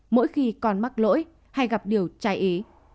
mỗi khi con mắc lỗi hay gặp điều tra ý